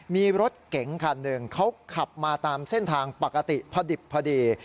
มีรถเก๋งคันหนึ่งเขาขับมาตามเส้นทางปกติพอดิบพอดี